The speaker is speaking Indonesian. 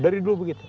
dari dulu begitu